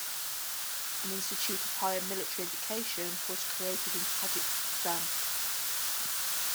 An institute of higher military education was created in Tajikistan.